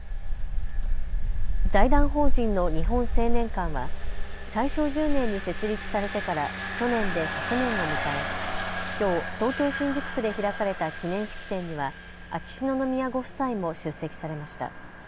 財団法人の日本青年館は大正１０年に設立されてから去年で１００年を迎えきょう東京新宿区で開かれた記念式典には秋篠宮ご夫妻も出席されました。